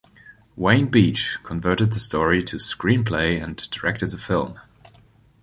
Wayne Beach converted the story to screenplay and directed the film.